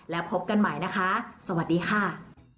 แล้วพบกันใหม่นะคะสวัสดีค่ะ